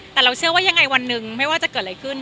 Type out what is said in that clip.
แต่เราเชื่อว่ายังไงวันหนึ่งไม่ว่าจะเกิดอะไรขึ้น